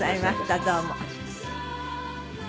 どうも。